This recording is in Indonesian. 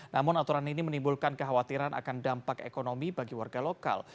namun aturan ini menimbulkan kekhawatiran akan dampak ekonomi bagi warga lokal